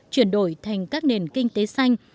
chuyển đổi thành các nền kinh tế xanh